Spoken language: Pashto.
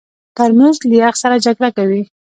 ترموز له یخ سره جګړه کوي.